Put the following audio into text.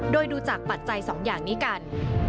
โดยดูจากปัจจัยสองอย่างนี้กัน